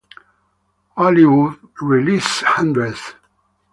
Aliyev released hundreds.